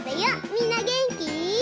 みんなげんき？